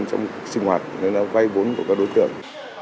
trong sinh hoạt như là vay vốn của các đối tượng